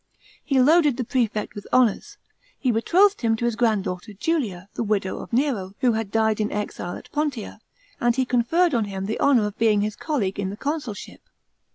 He loaded the prerect with honours. He betrothed him to his granddaughter Julia, the widow of Nero, who had died in exile at Pontia, and he conferred on him the honour of being his colleague in the consulship.